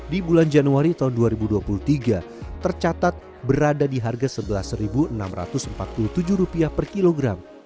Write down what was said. di bulan januari tahun dua ribu dua puluh tiga tercatat berada di harga rp sebelas enam ratus empat puluh tujuh per kilogram